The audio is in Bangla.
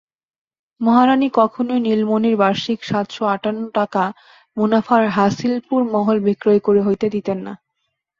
মহারানী কখনোই নীলমণির বার্ষিক সাতশো আটান্ন টাকা মুনাফার হাসিলপুর মহল বিক্রয় হইতে দিতেন না।